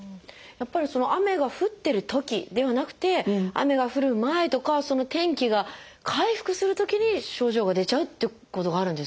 やっぱり雨が降ってるときではなくて雨が降る前とか天気が回復するときに症状が出ちゃうっていうことがあるんですね。